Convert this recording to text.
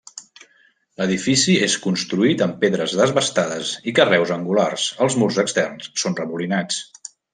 L'edifici és construït amb pedres desbastades i carreus angulars; els murs externs són remolinats.